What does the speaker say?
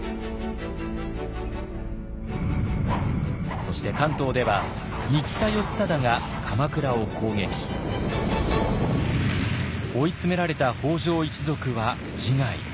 そして関東では新田義貞が鎌倉を攻撃。追い詰められた北条一族は自害。